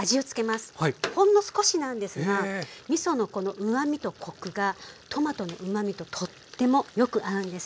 ほんの少しなんですがみそのこのうまみとコクがトマトのうまみととってもよく合うんです。